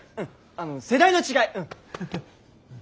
あの世代の違いうん。